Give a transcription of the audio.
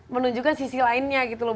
menunjukkan sisi lainnya gitu loh